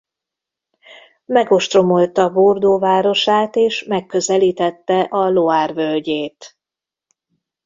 Megostromolta Bordeaux városát és megközelítette a Loire völgyét.